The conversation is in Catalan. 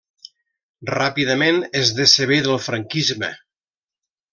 Ràpidament es decebé del franquisme.